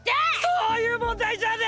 そういう問題じゃね！